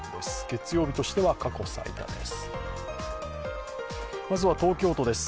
月曜日としては過去最多です。